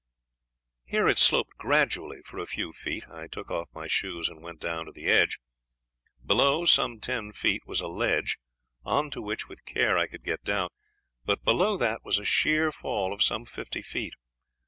Here it sloped gradually for a few feet. I took off my shoes and went down to the edge. Below, some ten feet, was a ledge, on to which with care I could get down, but below that was a sheer fall of some fifty feet.